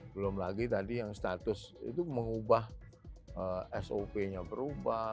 belum lagi tadi yang status itu mengubah sop nya berubah